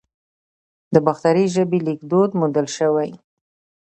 د باختري ژبې لیکدود موندل شوی